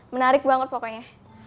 menarik banget pokoknya